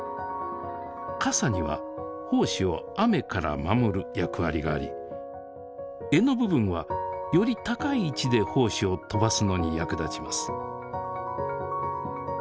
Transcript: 傘には胞子を雨から守る役割があり柄の部分はより高い位置で胞子を飛ばすのに役立ちます。